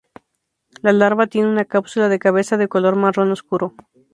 La larva tiene una cápsula de cabeza de color marrón oscuro.